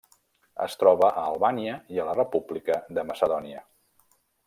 Es troba a Albània i a la República de Macedònia.